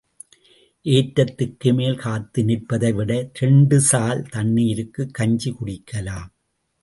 ஏற்றத்துக்கு மேல் காத்து நிற்பதை விட இரண்டு சால் தண்ணீருக்குக் கஞ்சி குடிக்கலாம்.